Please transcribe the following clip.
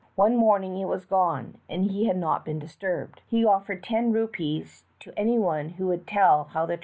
One morning it was gone, and he had not been disturbed. He offered ten rupees to any one who would tell how i I?